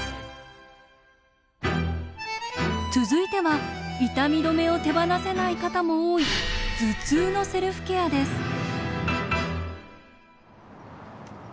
続いては痛み止めを手放せない方も多い頭痛のセルフケアです。